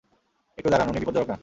একটু দাঁড়ান, উনি বিপজ্জনক না।